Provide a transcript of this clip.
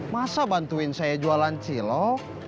masa bantuin saya jualan cilok